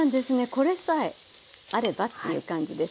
これさえあればっていう感じですよね。